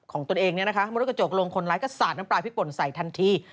ของตัวเองมาลูกกระโจกลงคนร้ายก็ศาสตร์น้ำปลายพริกปร่นใส่ทันที่